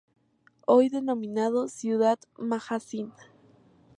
Hoy denominado Ciudad Magazine.